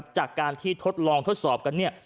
จากการทดลองทดสอบกัน